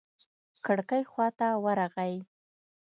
کړکۍ خوا ته ورغى.